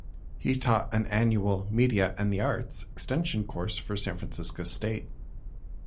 He taught an annual "Media and the Arts" extension course for San Francisco State.